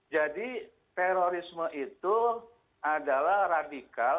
jadi terorisme itu adalah radikal